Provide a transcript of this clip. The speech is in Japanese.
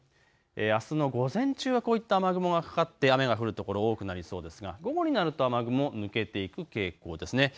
あすの午前中はこういった雨雲がかかって雨が降る所、多くなりそうですが午後になると雨雲、抜けていく傾向ですね。